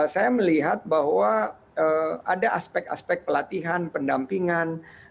saya melihat bahwa ada aspek aspek pelatihan pendampingan